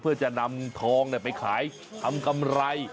เพื่อจะนำทองไปขายทำกำไร